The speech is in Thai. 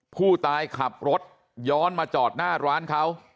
ผู้ตายขับรถย้อนมาจอดหน้าร้านเขา